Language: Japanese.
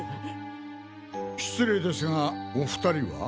失礼ですがお２人は？